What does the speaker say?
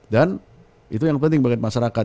dan itu yang penting bagi masyarakat